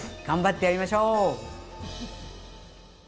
頑張ってやりましょう！